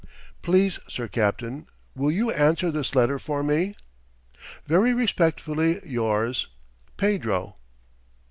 "Please Sir Capt. "Will you answer this letter for me? "Very respectfully "Yours, PEDRO."